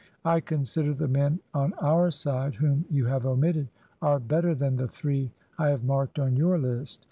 I consider the men on our side whom you have omitted are better than the three I have marked on your list.